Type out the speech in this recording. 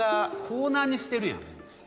コーナーにしてるやん。